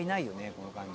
この感じ。